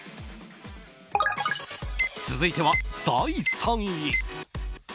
続いては第３位。